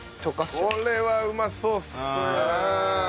これはうまそうっすね。